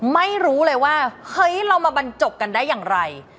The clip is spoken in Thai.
ไม่รู้เลยว่าเฮ้ยเรามาบรรจบกันได้อย่างไร